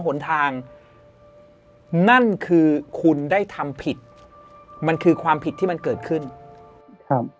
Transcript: หนทางนั่นคือคุณได้ทำผิดมันคือความผิดที่มันเกิดขึ้นครับ